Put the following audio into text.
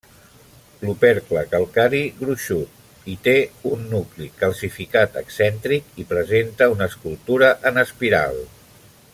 L'opercle calcari gruixut i té un nucli calcificat excèntric, i presenta una escultura en espiral.